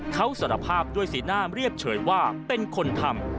เขาสารภาพด้วยสีหน้าเรียบเฉยว่าเป็นคนทำ